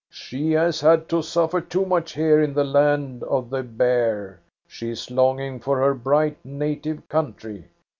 She has had to suffer too much here in the land of the bear. She is longing for her bright native country.